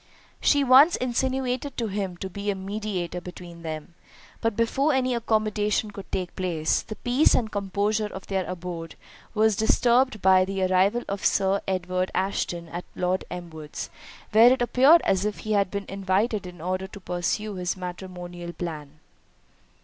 She once insinuated to him to be a mediator between them; but before any accommodation could take place, the peace and composure of their abode were disturbed by the arrival of Sir Edward Ashton at Lord Elmwood's, where it appeared as if he had been invited in order to pursue his matrimonial plan.